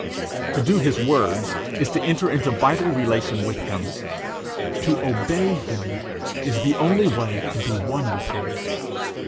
To do his words is to enter into vital relation with him, to obey him is the only way to be one with him.